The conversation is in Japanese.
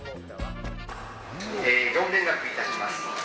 業務連絡いたします。